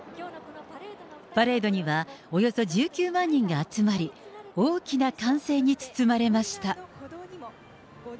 パレードにはおよそ１９万人が集まり、大きな歓声に包まれました。